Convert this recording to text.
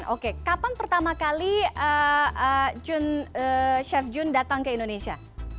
oke kapan pertama kali chef jun datang ke indonesia